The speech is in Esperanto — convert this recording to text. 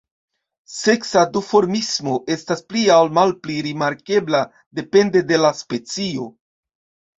Seksa duformismo estas pli aŭ malpli rimarkebla depende de la specio.